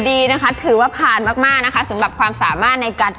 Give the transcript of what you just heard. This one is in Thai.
สิวมันเป็นหายใหญ่มากเลย